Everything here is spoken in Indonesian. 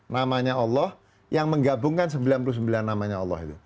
namanya allah yang menggabungkan sembilan puluh sembilan namanya allah itu